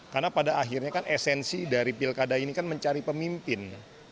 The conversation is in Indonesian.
karena pada akhirnya kan esensi dari pilkada ini kan mencari pemimpin